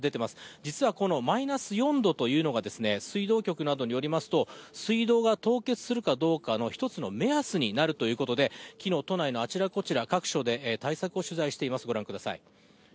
実はマイナス４度というのが水道局などによりますと、水道が凍結するかどうかの１つの目安になるということで、昨日、都内のあちらこちら、各所で対策を取材してます。